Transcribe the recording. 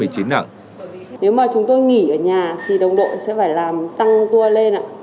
nếu mà chúng tôi nghỉ ở nhà thì đồng đội sẽ phải làm tăng tour lên ạ